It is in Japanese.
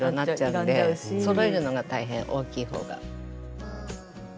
そろえるのが大変大きい方が。